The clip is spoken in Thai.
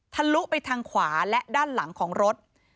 ลุไปทางขวาและด้านหลังของรถ